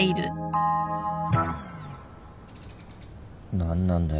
何なんだよ